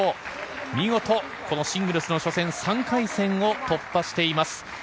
見事シングルス初戦３回戦を突破しています。